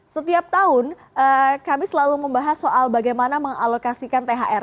setiap tahun kami selalu membahas soal bagaimana mengalokasikan thr